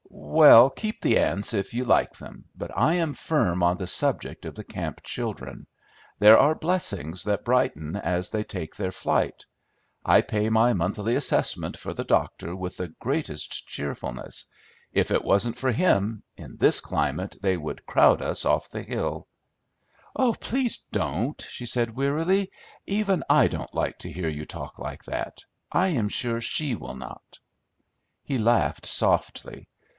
"Well, keep the ants if you like them, but I am firm on the subject of the camp children. There are blessings that brighten as they take their flight. I pay my monthly assessment for the doctor with the greatest cheerfulness; if it wasn't for him, in this climate, they would crowd us off the hill." "Please don't!" she said wearily. "Even I don't like to hear you talk like that; I am sure she will not." He laughed softly.